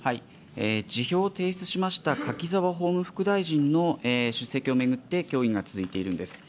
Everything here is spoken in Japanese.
辞表を提出しました柿沢法務副大臣の出席を巡って協議が続いているんです。